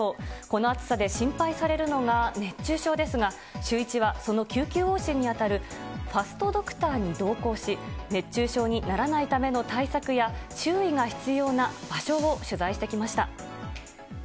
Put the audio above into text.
この暑さで心配されるのが熱中症ですが、シューイチは、その救急往診に当たるファストドクターに同行し、熱中症にならないための対策や、注意が必要な場所を取材してきました。